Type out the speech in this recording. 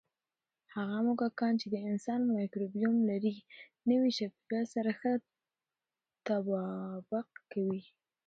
هغه موږکان چې د انسان مایکروبیوم لري، نوي چاپېریال سره ښه تطابق کوي.